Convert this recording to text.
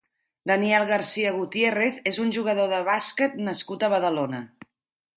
Daniel Garcia Gutiérrez és un jugador de bàsquet nascut a Badalona.